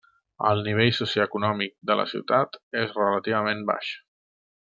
El nivell socioeconòmic de la ciutat és relativament baix.